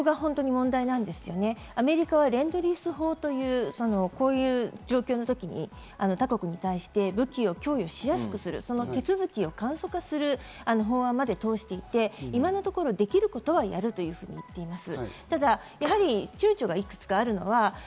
アメリカはレントリース法というこういう状況のときに他国に関して武器を供与しやすくする、その手続きを簡素化する法案まで通していて、今のところできることはやると言っています。